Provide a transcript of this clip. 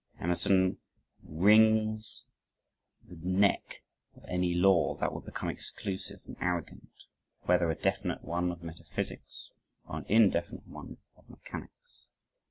Emerson wrings the neck of any law, that would become exclusive and arrogant, whether a definite one of metaphysics or an indefinite one of mechanics.